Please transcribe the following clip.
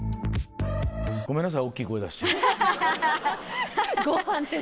ごめんなさい大っきい声出して。